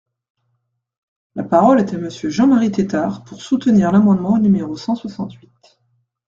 La parole est à Monsieur Jean-Marie Tetart, pour soutenir l’amendement numéro cent soixante-huit.